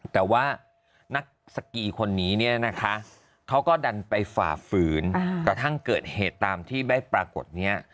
แต่ว่านักสกีคนนี้เนี่ยนะคะเขาก็ดันไปฝ่าฝืนกระทั่งเกิดเหตุตามที่ได้ปรากฏเนี่ย